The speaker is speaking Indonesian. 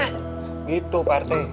ya gitu prt